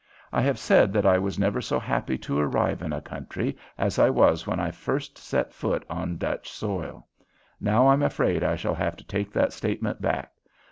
I have said that I was never so happy to arrive in a country as I was when I first set foot on Dutch soil. Now I'm afraid I shall have to take that statement back.